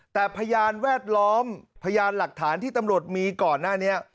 แต่พยานแวดล้อมพยานหลักฐานที่ตำรวจมีก่อนหน้านี้